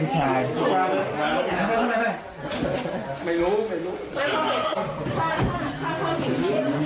ผู้ชายกับทุกคนของเครื่องเองย้ายพระเจ้าครับ